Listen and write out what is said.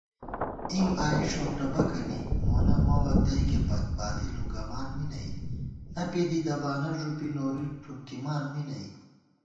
اِنگ آئی ݭؤٹہ بَکَنی مونہ مَوَہ تئیکے پت باتی لُنگَمان می نئ * ݪپے دی دبانہ ݫُپی نوری ٹھونکِمنان می نئ